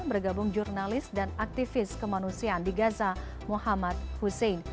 bergabung jurnalis dan aktivis kemanusiaan di gaza muhammad hussein